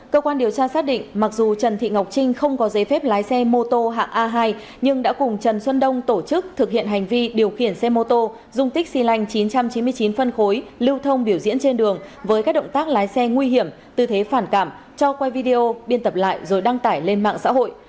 cơ quan điều tra xác định mặc dù trần thị ngọc trinh không có giấy phép lái xe mô tô hạng a hai nhưng đã cùng trần xuân đông tổ chức thực hiện hành vi điều khiển xe mô tô dùng tích xì lành chín trăm chín mươi chín phân khối lưu thông biểu diễn trên đường với các động tác lái xe nguy hiểm tư thế phản cảm cho quay video biên tập lại rồi đăng tải lên mạng xã hội